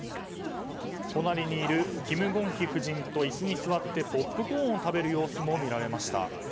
隣にいるキム・ゴンヒ夫人と椅子に座ってポップコーンを食べる様子も見られました。